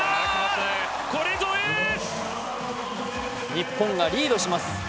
日本がリードします。